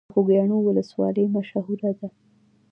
د خوږیاڼیو ولسوالۍ مشهوره ده